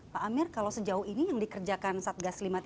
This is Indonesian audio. pak amir kalau sejauh ini yang dikerjakan satgas lima puluh tiga